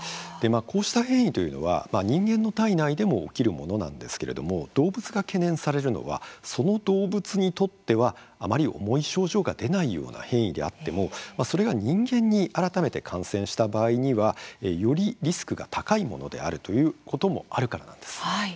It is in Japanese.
こうした変異というのは人間の体内でも起きるものなんですけれども動物が懸念されるのはその動物にとってはあまり重い症状が出ないような変異であっても、それが人間に改めて感染した場合にはよりリスクが高いものであるということもあるからなんです。